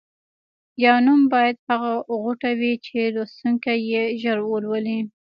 یا نوم باید هغه غوټه وي چې لوستونکی یې ژر ولولي.